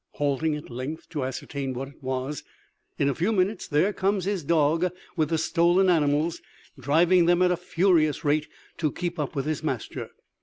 Halting, at length, to ascertain what it was, in a few minutes there comes his dog with the stolen animals, driving them at a furious rate to keep up with his master.